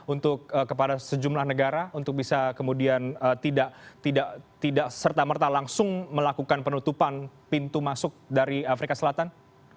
untuk kepada sejumlah negara untuk bisa kemudian tidak serta merta langsung melakukan penutupan pintu masuk dari afrika selatan